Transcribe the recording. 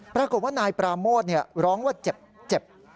ปรากฏว่านายปราโมทร้องว่าเจ็บ